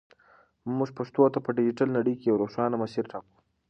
موږ پښتو ته په ډیجیټل نړۍ کې یو روښانه مسیر ټاکو.